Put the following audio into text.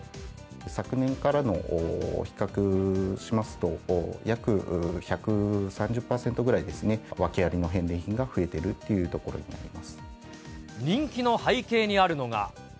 昨年から比較しますと、約１３０％ぐらいですね、訳ありの返礼品が増えているっていうと人気の背景にあるのが。